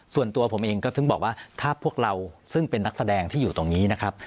ส่วนตัวผมเองก็ถึงบอกว่าถ้าพวกเราซึ่งเป็นนักแสดงที่อยู่ตรงนี้นะครับ